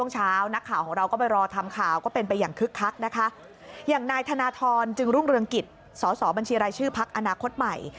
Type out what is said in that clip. จึงรุ่งเรืองกิจสสบัญชีรายชื่อพักอนาคตใหม่